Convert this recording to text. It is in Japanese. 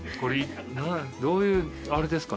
どういうあれですか？